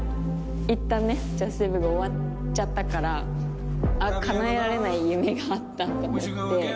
いったんねＪＵＳＴＥＤＥＢＯＵＴが終わっちゃったからあっかなえられない夢があったと思って。